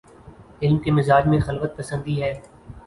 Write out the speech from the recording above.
علم کے مزاج میں خلوت پسندی ہے۔